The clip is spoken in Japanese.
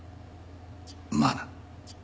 まあな。